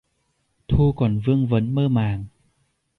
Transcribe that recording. Thu còn vương vấn mơ màng